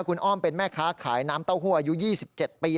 คุณอ้อมเป็นแม่ค้าขายน้ำเต้าหู้อายุ๒๗ปี